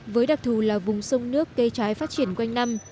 với đặc thù là vùng sông nước cây trái phát triển quanh năm